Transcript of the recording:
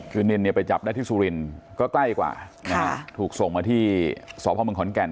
คือนินเนี่ยไปจับได้ที่สุรินทร์ก็ใกล้กว่านะฮะถูกส่งมาที่สพเมืองขอนแก่น